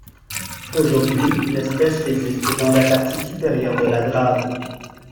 Aujourd’hui, l’espèce résiste dans la partie supérieure de la Drave.